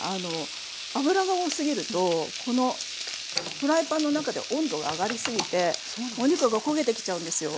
脂が多すぎるとこのフライパンの中で温度が上がり過ぎてお肉が焦げてきちゃうんですよ。